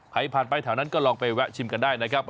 ผ่านไปแถวนั้นก็ลองไปแวะชิมกันได้นะครับ